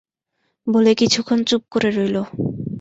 বলে কিছুক্ষণ চুপ করে রইল।